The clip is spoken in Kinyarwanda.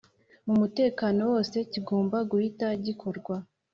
mu mutekano wose kigomba guhita gikorwa